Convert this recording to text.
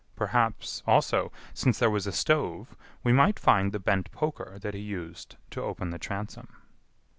Perhaps, also, since there was a stove, we might find the bent poker that he used to open the transom."